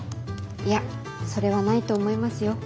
いやそれはないと思いますよ。